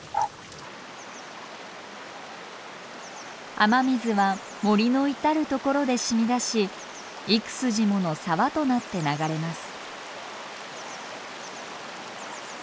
雨水は森の至る所で染み出し幾筋もの沢となって流れます。